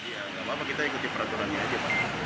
ya nggak apa apa kita ikuti peraturannya aja pak